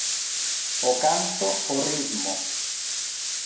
O canto, o ritmo.